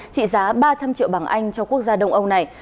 trị giá ba trăm linh triệu bảng anh cho quốc gia đông âu này